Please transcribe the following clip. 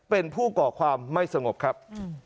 เป็นผู้ก่อความไม่สงบครับ